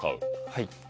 はい。